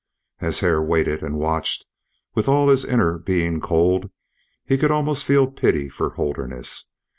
As Hare waited and watched with all his inner being cold, he could almost feel pity for Holderness.